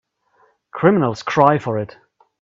Criminals cry for it.